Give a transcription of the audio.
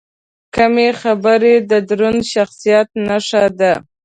کمې خبرې، د دروند شخصیت نښه ده.